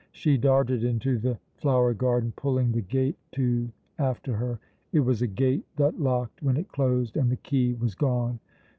She darted into the flower garden, pulling the gate to after her. It was a gate that locked when it closed, and the key was gone.